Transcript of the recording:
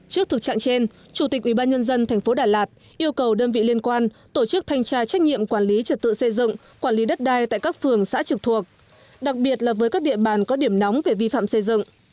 trước thực trạng trên chủ tịch ubnd tp đà lạt yêu cầu đơn vị liên quan tổ chức thanh tra trách nhiệm quản lý trật tự xây dựng quản lý đất đai tại các phường xã trực thuộc đặc biệt là với các địa bàn có điểm nóng về vi phạm xây dựng